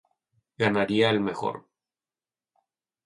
Ganaría el mejor.